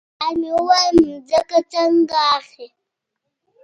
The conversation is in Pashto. پلار مې وویل ځمکه څنګه اخلې.